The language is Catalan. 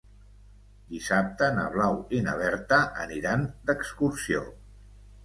Dissabte na Blau i na Berta aniran d'excursió.